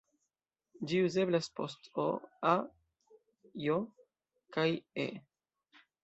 Ĝi uzeblas post "-o", "-a", "-j" kaj "-e".